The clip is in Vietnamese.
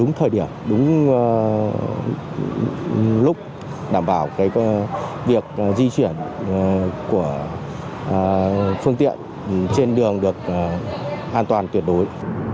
đúng thời điểm đúng lúc đảm bảo việc di chuyển của phương tiện trên đường được an toàn tuyệt đối